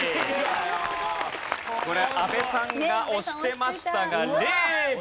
これ阿部さんが押してましたが。